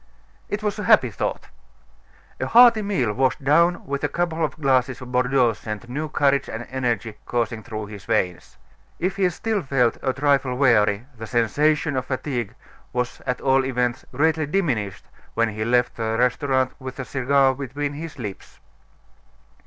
It was a happy thought. A hearty meal washed down with a couple of glasses of Bordeaux sent new courage and energy coursing through his veins. If he still felt a trifle weary, the sensation of fatigue was at all events greatly diminished when he left the restaurant with a cigar between his lips.